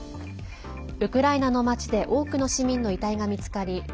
ウクライナの町で多くの市民の遺体が見つかり